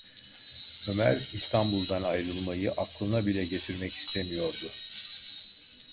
Ömer İstanbul’dan ayrılmayı aklına bile getirmek istemiyordu.